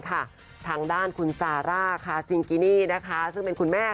ทางด้านคุณซาร่าคาซิงกินี่นะคะซึ่งเป็นคุณแม่